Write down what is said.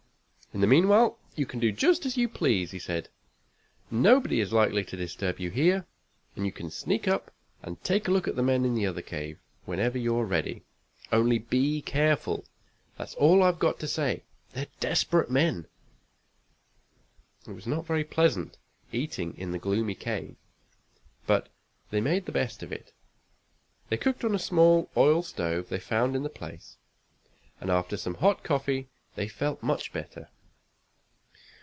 "In the meanwhile you can do just as you please," he said. "Nobody is likely to disturb you here, and you can sneak up and take a look at the men in the other cave whenever you're ready. Only be careful that's all I've got to say. They're desperate men." It was not very pleasant, eating in the gloomy cavern, but they made the best of it. They cooked on a small oil stove they found in the place, and after some hot coffee they felt much better.